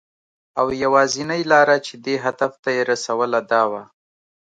او یوازېنۍ لاره چې دې هدف ته یې رسوله، دا وه .